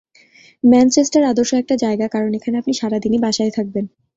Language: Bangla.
ম্যানচেস্টার আদর্শ একটা জায়গা, কারণ এখানে আপনি সারা দিনই বাসায় থাকবেন।